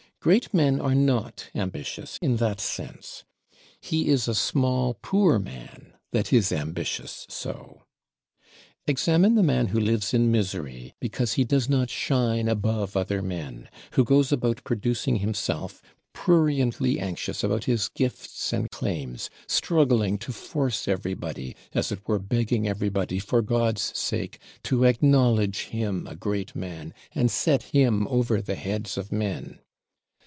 Great Men are not ambitious in that sense; he is a small poor man that is ambitious so. Examine the man who lives in misery because he does not shine above other men; who goes about producing himself, pruriently anxious about his gifts and claims; struggling to force everybody, as it were begging everybody for God's sake, to acknowledge him a great man, and set him over the heads of men!